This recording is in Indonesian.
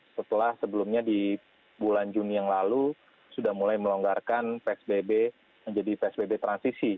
setelah sebelumnya di bulan juni yang lalu sudah mulai melonggarkan psbb menjadi psbb transisi